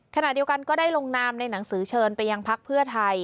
ขณะเดียวกันก็ได้ลงนามในหนังสือเชิญไปยังพักเพื่อไทย